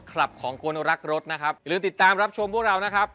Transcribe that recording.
ของคนรักรถนะครับอย่าลืมติดตามรับชมพวกเรานะครับ